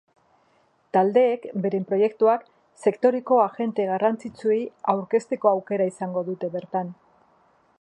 Taldeek beren proiektuak sektoreko agente garrantzitsuei aurkezteko aukera izango dute bertan.